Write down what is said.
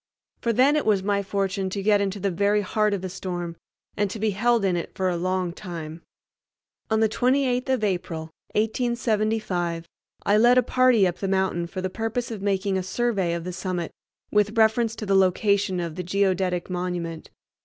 For then it was my fortune to get into the very heart of a storm, and to be held in it for a long time. On the 28th of April 1875 I led a party up the mountain for the purpose of making a survey of the summit with reference to the location of the Geodetic monument.